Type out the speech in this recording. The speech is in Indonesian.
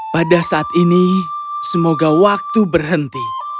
pada saat ini semoga waktu berhenti